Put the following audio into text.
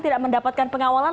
tidak mendapatkan pengawalan